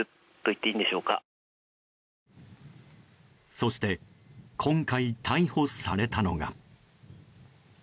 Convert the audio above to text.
そして今回逮捕されたのが。